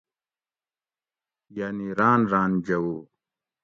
یعنی راۤن راۤن جوؤ